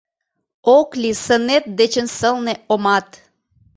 Ок лий сынет дечын сылне омат!